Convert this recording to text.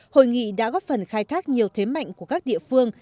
hội nghị đã góp phần khai thác nhiều thế mạnh của các địa phương